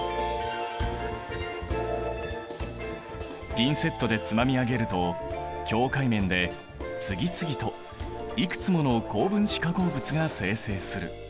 ピンセットでつまみ上げると境界面で次々といくつもの高分子化合物が生成する。